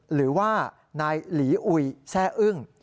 หรือว่านายหลีอุยแซ่อึ้ง